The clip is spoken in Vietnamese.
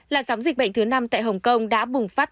làn sóng dịch bệnh thứ năm tại hồng kông đã bùng phát